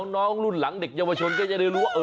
น้องรุ่นหลังเด็กยหวชชนก็จะรู้ว่าอ่า